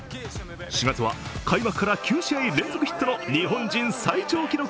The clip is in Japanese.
４月は開幕から９試合連続ヒットの日本人最長記録